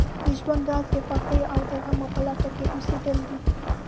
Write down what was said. د ژوند راز د خوښیو او غمو په لټه کې اوسېدل دي.